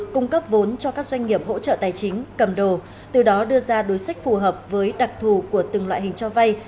cung cấp vốn cho các doanh nghiệp hỗ trợ tài chính cầm đồ từ đó đưa ra đối sách phù hợp với đặc thù của từng loại hình cho vay